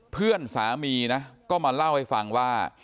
เพื่อนสามีนะก็มาเล่าให้ฟังว่า